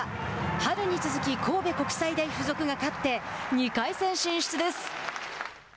春に続き神戸国際大付属が勝って２回戦進出です。